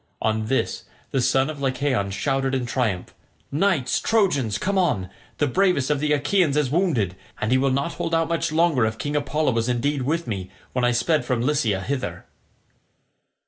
On this the son of Lycaon shouted in triumph, "Knights Trojans, come on; the bravest of the Achaeans is wounded, and he will not hold out much longer if King Apollo was indeed with me when I sped from Lycia hither."